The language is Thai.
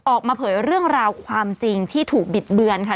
เผยเรื่องราวความจริงที่ถูกบิดเบือนค่ะ